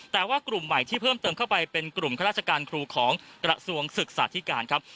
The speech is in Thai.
แต่ว่ากลุ่มใหม่ที่เพิ่มเติมเข้าไปเป็นกลุ่มข้าราชการครูของกระทรวงศึกษาธิการครับ